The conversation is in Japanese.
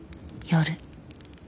夜。